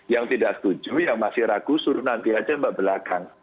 yang tidak setuju yang masih ragu suruh nanti aja mbak belakang